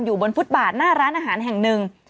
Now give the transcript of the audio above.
บนฟุตบาทหน้าร้านอาหารแห่งหนึ่ง